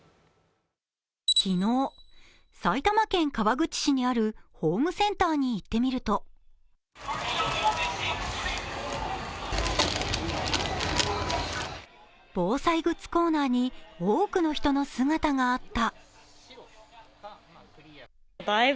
昨日、埼玉県川口市にあるホームセンターに行ってみると防災グッズコーナーに多くの人の姿があった。